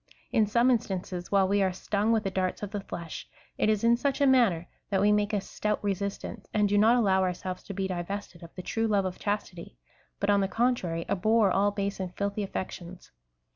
In some instances, while we are stung with the darts of the flesh, it is in such a manner that we make a stout resistance, and do not allow ourselves to be divested of the true love of chastity, but on the contrary, abhor all base and filthy aflections.